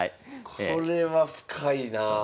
これは深いなあ。